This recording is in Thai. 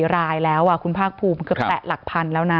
๙๓๔รายแล้วว่าคุณภาคภูมิมันคือแปะหลักพันแล้วนะ